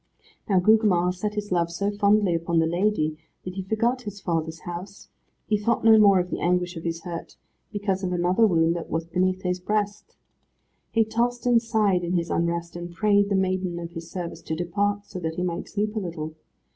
Now Gugemar set his love so fondly upon the lady that he forgot his father's house. He thought no more of the anguish of his hurt, because of another wound that was beneath his breast. He tossed and sighed in his unrest, and prayed the maiden of his service to depart, so that he might sleep a little.